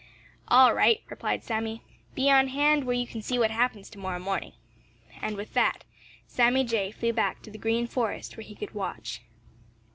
"All right," replied Sammy. "Be on hand where you can see what happens to morrow morning." And with that, Sammy Jay flew back to the Green Forest where he could watch.